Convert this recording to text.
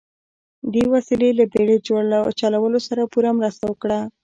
دې وسیلې له بیړۍ چلولو سره پوره مرسته وکړه.